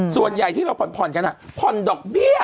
ส่วนใหญ่ที่เราผ่อนกันผ่อนดอกเบี้ย